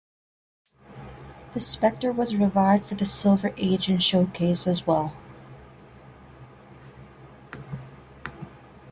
The Spectre was revived for the Silver Age in "Showcase" as well.